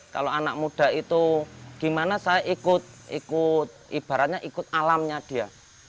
kalau anak muda itu gimana saya ikut ibaratnya ikut alamnya dia